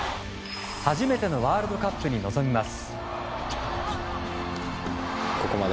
初めてのワールドカップに臨みます。